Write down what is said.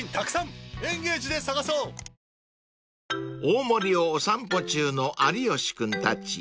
［大森をお散歩中の有吉君たち］